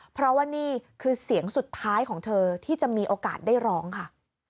เพราะว่านี่คือเสียงสุดท้ายของเธอที่จะมีโอกาสได้ร้องค่ะ